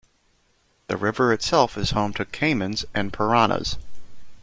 The river itself is home to caimans, and piranhas.